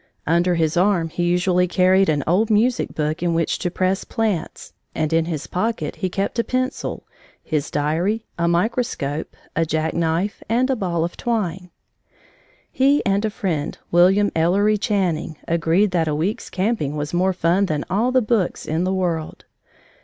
Under his arm he usually carried an old music book in which to press plants, and in his pocket he kept a pencil, his diary, a microscope, a jack knife, and a ball of twine. He and a friend, William Ellery Channing, agreed that a week's camping was more fun than all the books in the world.